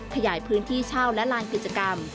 ขยายพื้นที่เช่าและลานกิจกรรม